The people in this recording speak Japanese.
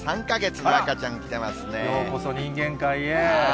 ようこそ人間界へ。